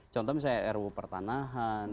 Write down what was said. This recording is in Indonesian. contoh misalnya ru pertanahan